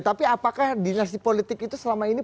tapi apakah dinasti politik itu selama ini